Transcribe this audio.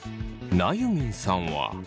なゆみんさんは。